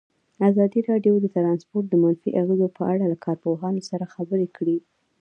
ازادي راډیو د ترانسپورټ د منفي اغېزو په اړه له کارپوهانو سره خبرې کړي.